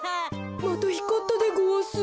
またひかったでごわす。